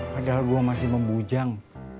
padahal gue masih memujang